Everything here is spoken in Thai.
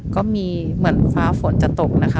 ก็มีเหมือนฟ้าฝนจะตกนะคะ